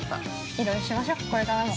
◆いろいろしましょうこれからも。